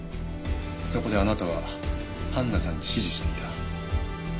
そこであなたはハンナさんに師事していた。